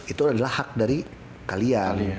itu adalah hak dari kalian